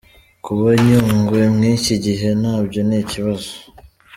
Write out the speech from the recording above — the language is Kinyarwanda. Kuba Yungwe mwiki gihe nabyo ni kibazo !!!!.